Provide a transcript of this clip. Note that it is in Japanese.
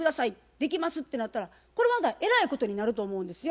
「できます」ってなったらこれはえらいことになると思うんですよ。